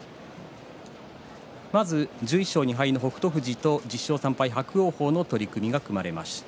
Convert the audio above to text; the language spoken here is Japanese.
まず１１勝２敗の北勝富士と１０勝３敗の伯桜鵬の取組が組まれました。